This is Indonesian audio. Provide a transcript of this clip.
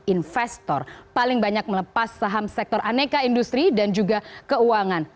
investor paling banyak melepas saham sektor aneka industri dan juga keuangan